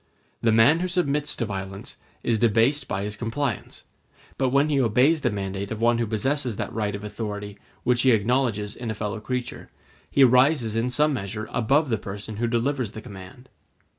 The man who submits to violence is debased by his compliance; but when he obeys the mandate of one who possesses that right of authority which he acknowledges in a fellow creature, he rises in some measure above the person who delivers the command.